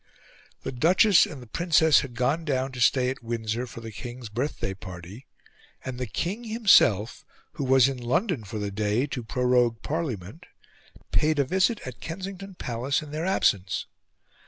The Duchess and the Princess had gone down to stay at Windsor for the King's birthday party, and the King himself, who was in London for the day to prorogue Parliament, paid a visit at Kensington Palace in their absence.